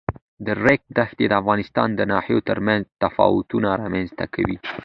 د ریګ دښتې د افغانستان د ناحیو ترمنځ تفاوتونه رامنځ ته کوي.